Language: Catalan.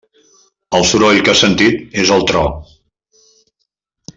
El soroll que has sentit és el tro.